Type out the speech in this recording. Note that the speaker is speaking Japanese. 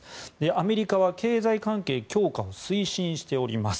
アメリカは経済関係強化を推進しております。